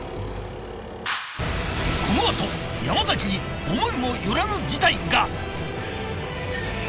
このあと山崎に思いもよらぬ事態が！